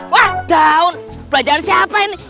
wah down pelajaran siapa ini